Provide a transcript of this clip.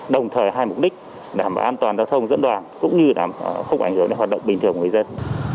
đồng thời hai mục đích đảm bảo an toàn giao thông dẫn đoàn cũng như đảm không ảnh hưởng đến hoạt động bình thường của người dân